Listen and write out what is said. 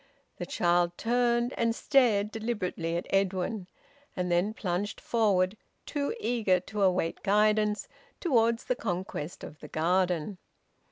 The child turned and stared deliberately at Edwin, and then plunged forward, too eager to await guidance, towards the conquest of the garden.